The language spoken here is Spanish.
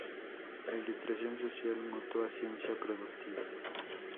La Ilustración social mutó a ciencia productiva.